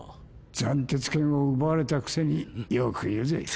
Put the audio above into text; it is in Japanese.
斬鉄剣を奪われたくせによく言うぜ。